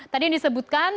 tadi yang disebutkan